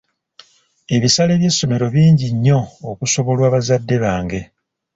Ebisale by'essomero bingi nnyo okusobolwa bazadde bange.